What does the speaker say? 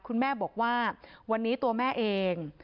คุณแม่บอกว่าวันนี้ตัวแม่เอง